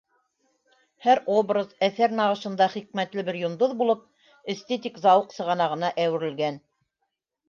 Һәр образ, әҫәр нағышында хикмәтле бер йондоҙ булып, эстетик зауыҡ сығанағына әүерелгән.